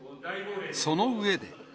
その上で。